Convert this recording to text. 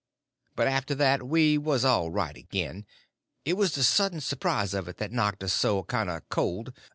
But after that we was all right again—it was the sudden surprise of it that knocked us so kind of cold.